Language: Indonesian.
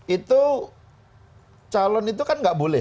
itu calon itu kan nggak boleh